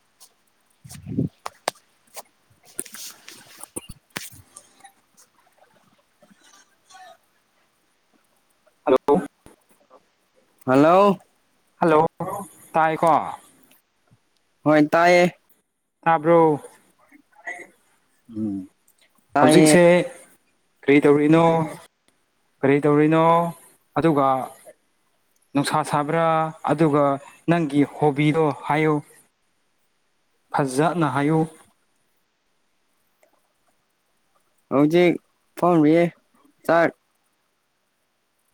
[unintelligible] hello hello hello ꯇꯥꯏꯀꯣ ꯍꯣꯏ ꯇꯥꯏꯌꯦ ꯇꯥꯕ꯭ꯔꯣ ꯎꯝ ꯇꯥꯏꯌꯦ ꯍꯧꯖꯤꯛꯁꯦ ꯀꯔꯤ ꯇꯧꯔꯤꯅꯣ ꯀꯔꯤ ꯇꯧꯔꯤꯅꯣ ꯑꯗꯨꯒ ꯅꯨꯡꯁꯥ ꯁꯥꯕ꯭ꯔꯥ ꯑꯗꯨꯒ ꯅꯪꯒꯤ ꯍꯣꯕꯤꯗꯣ ꯍꯥꯏꯌꯨ ꯐꯖꯅ ꯍꯥꯏꯌꯨ ꯍꯧꯖꯤꯛ ꯐꯝꯔꯤꯌꯦ ꯆꯥꯛ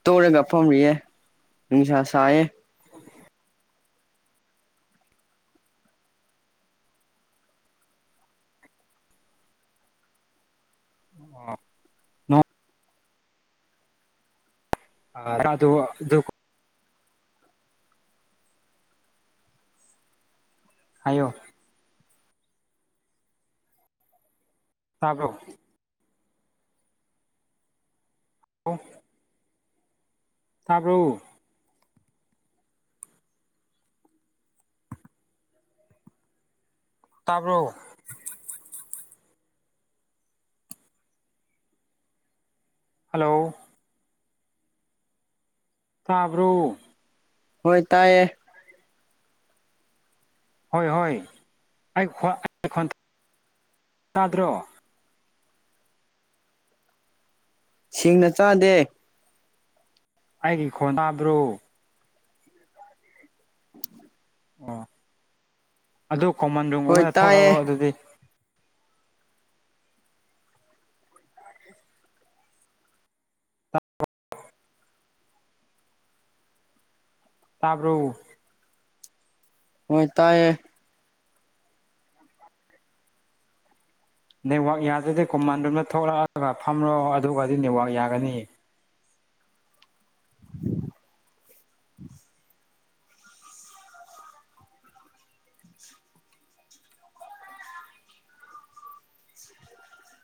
ꯇꯣꯛꯔꯒ ꯐꯝꯔꯤꯌꯦ ꯅꯨꯡꯁꯥ ꯁꯥꯏꯌꯦ [unintelligible] [unintelligible] ꯍꯥꯏꯌꯣ ꯇꯥꯕ꯭ꯔꯣ ꯑꯣ ꯇꯥꯕ꯭ꯔꯣ ꯇꯥꯕ꯭ꯔꯣ ꯍꯜꯂꯣ ꯇꯥꯕ꯭ꯔꯣ ꯍꯣꯏ ꯇꯥꯏꯌꯦ ꯍꯣꯏ ꯍꯣꯏ ꯑꯩ [unintelligible] ꯇꯥꯗ꯭ꯔꯣ ꯁꯤꯡꯅ ꯆꯥꯗꯦ ꯑꯩꯒꯤ ꯈꯣꯟ ꯇꯥꯗ꯭ꯔꯣ [inaudible] ꯑꯣ ꯑꯗꯨ ꯀꯣꯃꯟ ꯍꯣꯏ ꯔꯨꯝꯒꯨꯝꯕꯗ ꯇꯥꯏꯌꯦ ꯊꯣꯛꯔꯛꯔꯣ ꯑꯗꯨꯗꯤ ꯇꯥꯕ꯭ꯔꯣ ꯍꯣꯏ ꯇꯥꯏꯌꯦ ꯅꯦꯠꯋꯥꯛ ꯌꯥꯗꯗꯤ ꯀꯣꯃꯥꯟ ꯔꯣꯝꯗ ꯊꯣꯛꯂꯛꯑꯒ ꯐꯝꯔꯣ ꯑꯗꯨꯒꯗꯤ ꯅꯦꯠꯋꯥꯛ ꯌꯥꯒꯅꯤꯑꯦ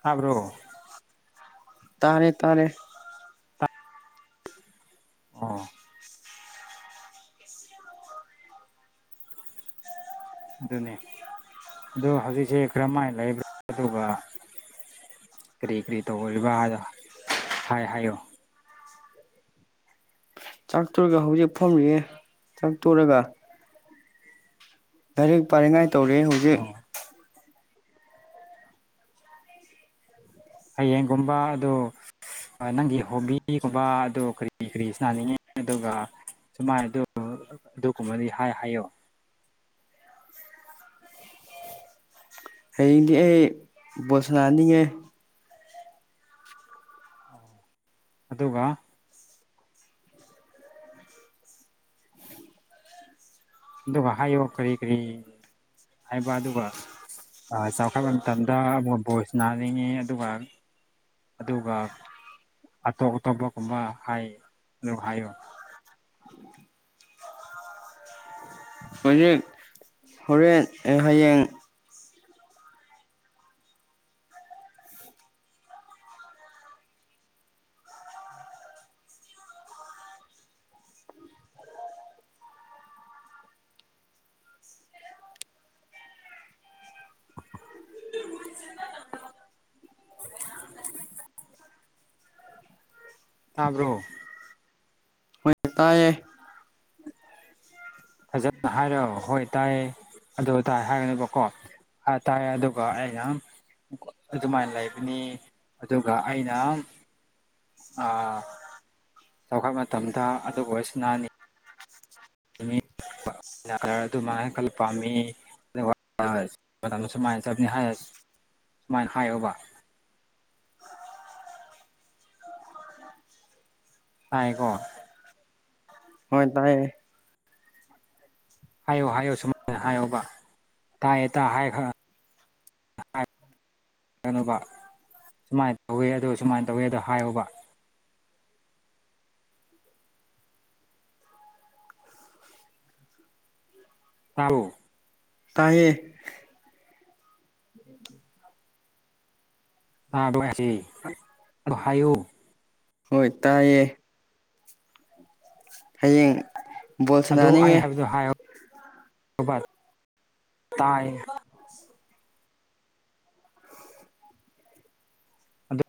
ꯇꯥꯕ꯭ꯔꯣ ꯇꯥꯔꯦ ꯇꯥꯔꯦ ꯑꯣ ꯑꯗꯨꯅꯦ ꯑꯗꯣ ꯍꯧꯖꯤꯛꯁꯦ ꯀꯔꯝꯍꯥꯏ ꯂꯩꯕ꯭ꯔ ꯑꯗꯨꯒ ꯀꯔꯤ ꯀꯔꯤ ꯇꯧꯍꯜꯂꯤꯕ ꯍꯥꯏꯗꯣ ꯍꯥꯏ ꯍꯥꯏꯌꯣ ꯆꯥꯛꯇꯨꯔꯒ ꯍꯧꯖꯤꯛ ꯐꯝꯔꯤꯑꯦ ꯆꯥꯛꯇꯣꯔꯒ ꯂꯥꯏꯔꯤꯛ ꯄꯥꯅꯤꯡꯉꯥꯏ ꯇꯧꯔꯦ ꯍꯧ [unintelligible] ꯍꯌꯦꯡꯒꯨꯝꯕ ꯑꯗꯨ ꯑ ꯅꯪꯒꯤ ꯍꯣꯕꯤꯒꯨꯝꯕ ꯑꯗꯨ ꯀꯔꯤ ꯀꯔꯤ ꯁꯥꯅꯅꯤꯡꯉꯤ ꯑꯗꯨꯒ ꯁꯨꯃꯥꯏ ꯑꯗꯨ ꯑꯗꯨꯒꯨꯝꯕꯗꯤ ꯍꯥꯏ ꯍꯥꯏꯌꯣ ꯍꯌꯦꯡꯗꯤ ꯑꯩ ꯕꯣꯜ ꯁꯅꯥꯅꯤꯌꯦ ꯑꯣ ꯑꯗꯨꯒ ꯑꯗꯨꯒ ꯍꯥꯏꯌꯣ ꯀꯔꯤ ꯀꯔꯤ ꯍꯥꯏꯕ ꯑꯗꯨꯒ ꯑ ꯆꯥꯎꯈꯠꯄ ꯃꯇꯝꯗ ꯕꯣ ꯕꯣꯜ ꯁꯅꯥꯅꯤꯡꯉꯤ ꯑꯗꯨꯒ ꯑꯗꯨꯒ ꯑꯇꯣꯞ ꯑꯇꯣꯞꯄꯒꯨꯝꯕ ꯍꯥꯏ [unintelligible] ꯍꯥꯏꯌꯨ ꯍꯧꯖꯤꯛ ꯍꯣꯔꯦꯟ ꯑꯦ ꯍꯌꯦꯡ [unintelligible] [unintelligible] ꯇꯥꯕ꯭ꯔꯣ ꯍꯣꯏ ꯇꯥꯏꯌꯦ ꯐꯖꯅ ꯍꯥꯏꯔꯣ ꯍꯣꯏ ꯇꯥꯏꯌꯦ ꯑꯗꯨ ꯇꯥꯏ ꯍꯥꯏꯒꯅꯨꯕꯀꯣ ꯑ ꯇꯥꯏ ꯑꯗꯨꯒ ꯑꯩ ꯌꯥꯝ ꯑꯗꯨꯃꯥꯏꯅ ꯂꯩꯕꯅꯤ ꯑꯗꯨꯒ ꯑꯩꯅ ꯑ ꯆꯥꯎꯈꯠ ꯃꯇꯝꯗ ꯑꯗꯨꯒ ꯋꯥꯔꯤꯁꯅꯥꯅꯤ ꯅꯨꯃꯤꯠ [unintelligible] ꯄꯥꯝꯃꯤ ꯅꯦꯠꯋꯥꯔꯀ [unintelligible] ꯆꯞꯅꯤ ꯍꯥꯏ ꯁꯨꯃꯥꯏꯅ ꯍꯥꯏꯌꯣꯕ ꯇꯥꯏꯑꯦꯀꯣ ꯍꯣꯏ ꯇꯥꯏꯌꯦ ꯍꯥꯏꯌꯣ ꯍꯥꯏꯌꯣ ꯁꯨꯃꯥꯏꯅ ꯍꯥꯏꯌꯣꯕ ꯇꯥꯏꯌꯦ ꯇꯥ ꯍꯥꯏꯈ꯭ꯔ [unintelligible] ꯀꯩꯅꯅꯕ ꯁꯨꯃꯥꯏꯅ ꯇꯧꯋꯦ ꯑꯗꯣ ꯁꯨꯃꯥꯏꯅ ꯇꯧꯋꯦ ꯑꯗꯣ ꯍꯥꯏꯌꯨꯕ ꯇꯥꯥꯎ ꯇꯌꯦ ꯑꯗ ꯌꯥꯁꯤ ꯑꯗꯣ ꯍꯥꯏꯌꯨ ꯍꯣꯏ ꯇꯥꯏꯌꯦꯦ ꯍꯌꯦꯡ ꯕꯣꯜ ꯑꯗꯨ ꯑꯩ ꯁꯟꯅꯅꯤꯡꯉꯦ ꯍꯥꯏꯕꯗꯣ ꯍꯥꯏꯌꯣꯕ ꯇꯥꯏ ꯑꯗ